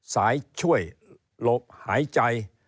สายช่วยหลบหายใจ